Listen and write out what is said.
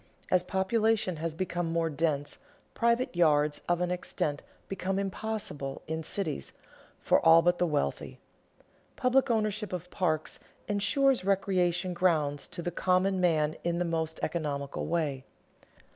As population has become more dense, private yards of any extent become impossible, in cities, for all but the wealthy. Public ownership of parks insures recreation grounds to the common man in the most economical way.